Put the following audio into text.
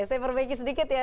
saya perbaiki sedikit ya